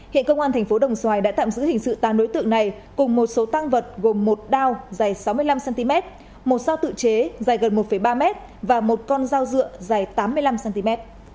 hiện công an thành phố đồng xoài đã tạm giữ hình sự tám đối tượng này cùng một số tăng vật gồm một đao dài sáu mươi năm cm một sao tự chế dài gần một ba m và một con dao dựa dài tám mươi năm cm